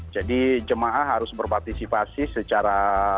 jadi jemaah harus berpartisipasi secara